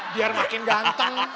biar makin ganteng